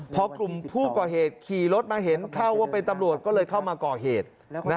พอกลุ่มผู้ก่อเหตุขี่รถมาเห็นเข้าว่าเป็นตำรวจก็เลยเข้ามาก่อเหตุ